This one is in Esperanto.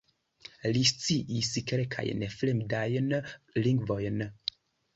Li sciis kelkajn fremdajn lingvojn.